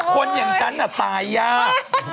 คนอย่างฉันน่ะตายยาก